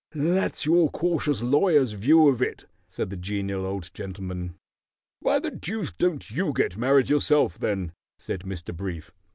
"That's your cautious lawyer's view of it," said the Genial Old Gentleman. "Why the deuce don't you get married yourself, then," said Mr. Brief.